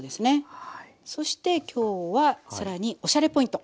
そして今日は更におしゃれポイント。